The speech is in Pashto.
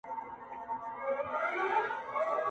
دلته هلته له خانانو سره جوړ وو،